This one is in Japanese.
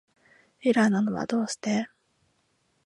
エラーなのはどうして